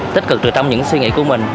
tích cực trừ trong những suy nghĩ của mình